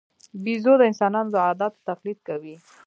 بیزو د انسانانو د عادتونو تقلید کوي.